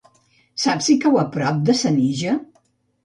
Saps si cau a prop de Senija?